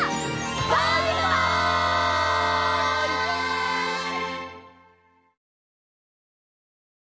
バイバイ！